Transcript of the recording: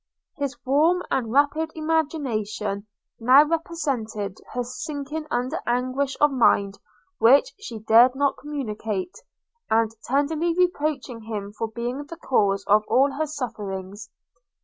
His warm and rapid imagination now represented her sinking under anguish of mind which she dared not communicate – and tenderly reproaching him for being the cause of all her sufferings.